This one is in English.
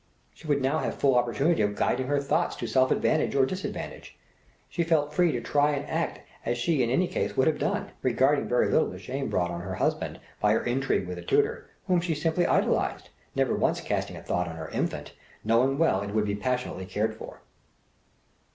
She would now have full opportunity of guiding her thoughts to self advantage or disadvantage. She felt free to try and act as she in any case would have done, regarding very little the shame brought on her husband by her intrigue with the tutor, whom she simply idolized, never once casting a thought on her infant, knowing well it would be passionately cared for.